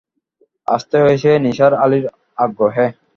আসতে হয়েছে নিসার আলির আগ্রহে।